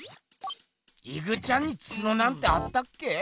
イグちゃんにツノなんてあったっけ？